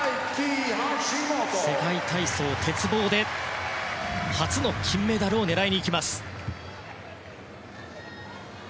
世界体操、鉄棒で初の金メダルを狙いにいきます。